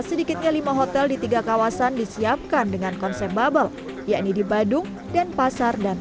sedikitnya lima hotel di tiga kawasan disiapkan dengan konsep bubble yakni di badung dan pasar dan